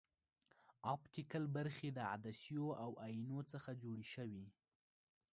اپټیکل برخې د عدسیو او اینو څخه جوړې شوې.